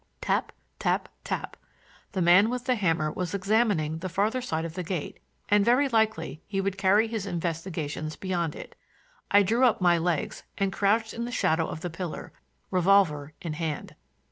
Tap, tap, tap! The man with the hammer was examining the farther side of the gate, and very likely he would carry his investigations beyond it. I drew up my legs and crouched in the shadow of the pillar, revolver in hand.